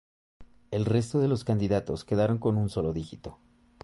El resto de los candidatos quedaron con un solo dígito.